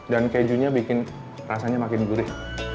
dan kejunya bikin rasanya makin gurih